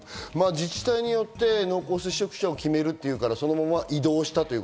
自治体によって濃厚接触者を決めると言うから、そのまま移動した。